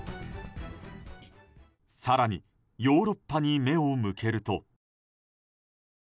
更にヨーロッパに目を向けると。